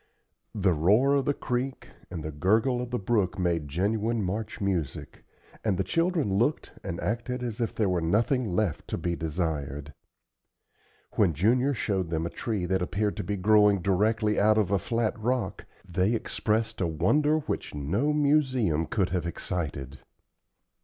The roar of the creek and the gurgle of the brook made genuine March music, and the children looked and acted as if there were nothing left to be desired. When Junior showed them a tree that appeared to be growing directly out of a flat rock, they expressed a wonder which no museum could have excited.